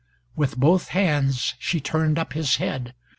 With both hands she turned up his head.